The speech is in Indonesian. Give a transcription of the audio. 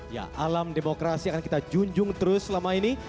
ya alam demokrasi akan kita junjung terus selama ini